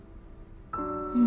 うん。